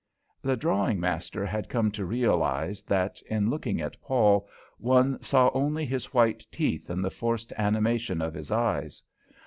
The drawing master had come to realize that, in looking at Paul, one saw only his white teeth and the forced animation of his eyes.